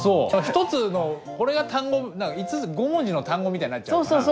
一つのこれが単語５文字の単語みたいになっちゃうのかな？